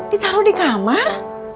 ditaruh di kamar